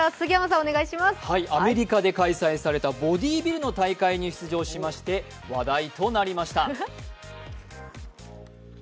アメリカで開催されたボディービル大会に出場しまして話題となりました。